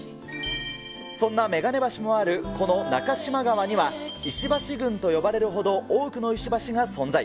そんな眼鏡橋もあるこの中島川には、石橋群と呼ばれるほど多くの石橋が存在。